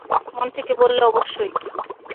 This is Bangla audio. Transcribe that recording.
মন থেকে বললে, অবশ্যই।